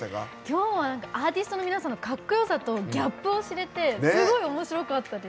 きょうはアーティストの皆さんのかっこよさとギャップを知れてすごいおもしろかったです。